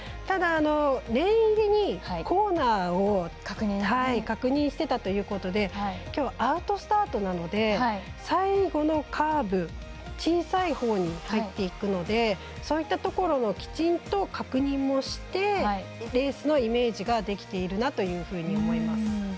ただ、念入りにコーナーを確認してたということできょうはアウトスタートなので最後のカーブ小さいほうに入っていくのでそういったところもきちんと確認をしてレースのイメージができているなというふうに思います。